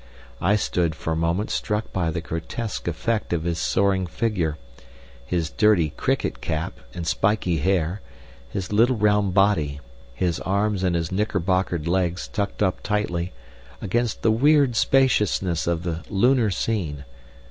I stood for a moment struck by the grotesque effect of his soaring figure—his dirty cricket cap, and spiky hair, his little round body, his arms and his knicker bockered legs tucked up tightly—against the weird spaciousness of the lunar scene.